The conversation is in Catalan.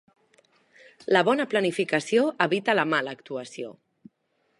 La bona planificació evita la mala actuació.